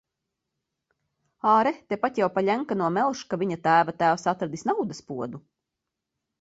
Āre, tepat jau par Ļenkano melš, ka viņa tēva tēvs atradis naudas podu.